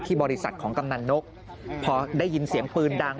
บริษัทของกำนันนกพอได้ยินเสียงปืนดัง